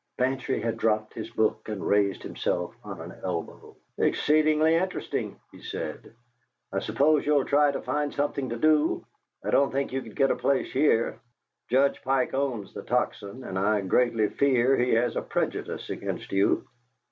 Bantry had dropped his book and raised himself on an elbow. "Exceedingly interesting," he said. "I suppose you'll try to find something to do. I don't think you could get a place here; Judge Pike owns the Tocsin, and I greatly fear he has a prejudice against you."